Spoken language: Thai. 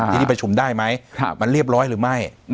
ที่นี่ประชุมได้ไหมมันเรียบร้อยหรือไม่